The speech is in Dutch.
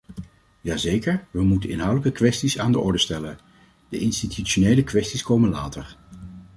Jazeker, we moeten inhoudelijke kwesties aan de orde stellen; de institutionele kwesties komen later.